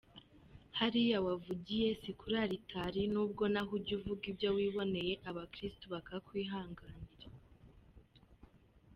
Hariya wavugiye, si kuri altari, n’ubwo naho ujya uvuga ibyo wiboneye abakristu bakakwihanganira.